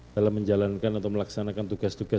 dalam menjalankan atau melaksanakan tugas tugas